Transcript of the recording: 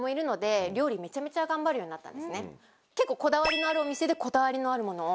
結構こだわりのあるお店でこだわりのあるものを。